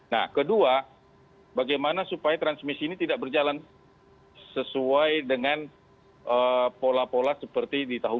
nah kedua bagaimana supaya transmisi ini tidak berjalan sesuai dengan pola pola seperti di tahun dua ribu dua puluh